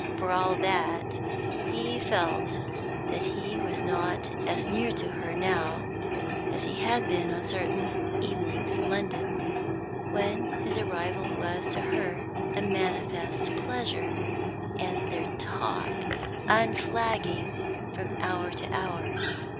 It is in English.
For all that, he felt that he was not as near to her now as he had been on certain evenings in London, when his arrival was to her a manifest pleasure, and their talk unflagging from hour to hour.